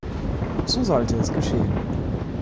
So sollte es geschehen.